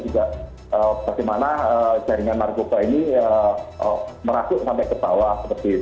juga bagaimana jaringan narkoba ini merasuk sampai ke bawah